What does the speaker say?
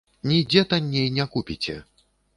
Нідзе танней не купіце!